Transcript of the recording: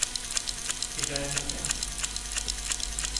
Ella es atea.